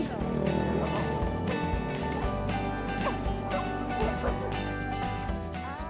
berat juga menjadi penyusup